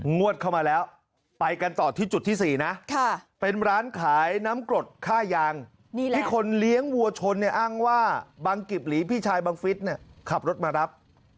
งวดเข้ามาแล้วไปกันต่อที่จุดที่๔นะเป็นร้านขายน้ำกรดค่ายางที่คนเลี้ยงวัวชนเนี่ยอ้างว่าบังกิบหลีพี่ชายบังฟิศเนี่ยขับรถมารับ